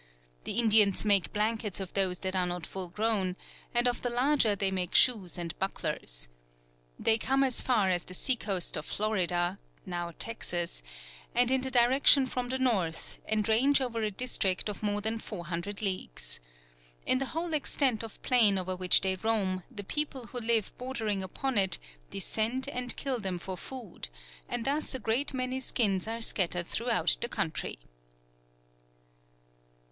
The Indians make blankets of those that are not full grown, and of the larger they make shoes and bucklers. They come as far as the sea coast of Florida [now Texas], and in a direction from the north, and range over a district of more than 400 leagues. In the whole extent of plain over which they roam, the people who live bordering upon it descend and kill them for food, and thus a great many skins are scattered throughout the country."